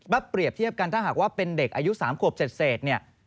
เปรียบเทียบกันถ้าหากว่าเป็นเด็กอายุ๓ขวบเศษเนี่ย